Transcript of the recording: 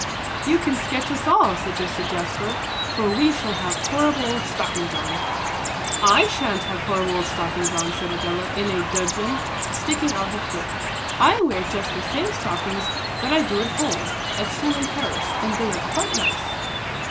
"You can sketch us all," suggested Jasper, "for we shall have horrible old stockings on." "I sha'n't have horrible old stockings on," said Adela, in a dudgeon, sticking out her foot. "I wear just the same stockings that I do at home, at school in Paris, and they are quite nice."